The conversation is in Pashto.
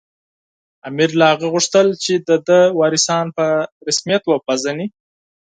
امیر له هغه وغوښتل چې د ده وارثان په رسمیت وپېژني.